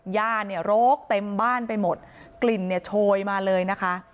ย่าเนี่ยโรคเต็มบ้านไปหมดกลิ่นเนี่ยโชยมาเลยนะคะ